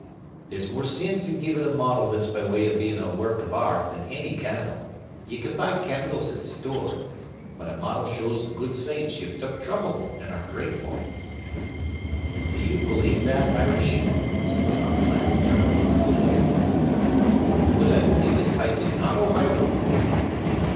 There's more sense in givin' a model that's by way o' bein' a work av art than any candle. Ye can buy candles at store, but a model shows the good saints ye've tuk trouble an' are grateful." "D'you believe that, Irish?" said Tom Platt, turning on his elbow. "Would I do ut if I did not, Ohio?"